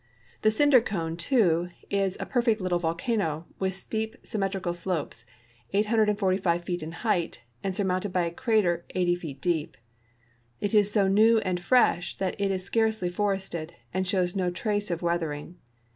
The cinder cone, too, is a perfect little volcano with steep symmetrical slopes, 845 feet in height, and surmounted b}^ a crater 80 feet deep. It is so new and fresh that it is scarcely forested, and shows no trace of weathering.